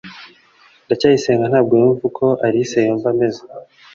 ndacyayisenga ntabwo yumva uko alice yumva ameze